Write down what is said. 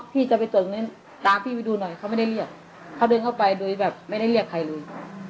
พี่จะไปตรวจตรงนั้นตามพี่ไปดูหน่อยเขาไม่ได้เรียกเขาเดินเข้าไปโดยแบบไม่ได้เรียกใครเลย